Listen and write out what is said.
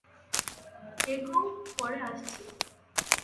এগোও, পরে আসছি।